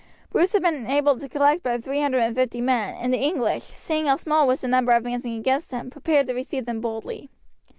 Bruce had been able to collect but three hundred and fifty men, and the English, seeing how small was the number advancing against them, prepared to receive them boldly.